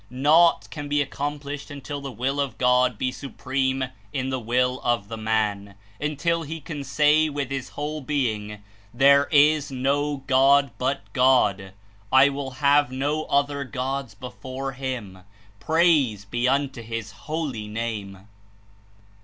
Naught can be accomplished until the Will of God be supreme in the will of the man; until he can say with his whole being, "There is no God but God !" "I will have no other Gods before Him !" "Praise be unto His Holy Name